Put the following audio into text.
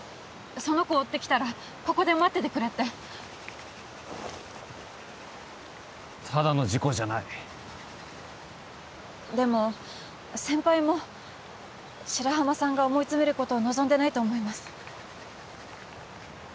その子を追ってきたらここで待っててくれってただの事故じゃないでも先輩も白浜さんが思い詰めることを望んでないと思います